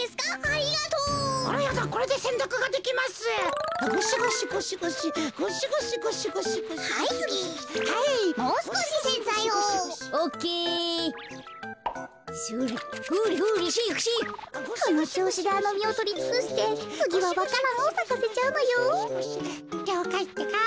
りょうかいってか。